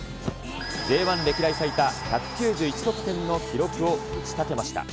Ｊ１歴代最多１９１得点の記録を打ち立てました。